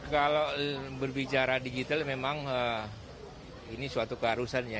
kalau berbicara digital memang ini suatu keharusannya